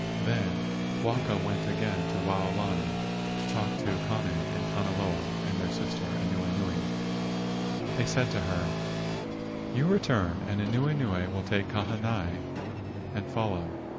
Then Waka went again to Waolani to talk with Kane and Kanaloa and their sister Anuenue. They said to her: "You return, and Anuenue will take Kahanai and follow.